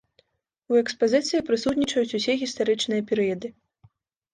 У экспазіцыі прысутнічаюць усе гістарычныя перыяды.